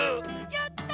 やった！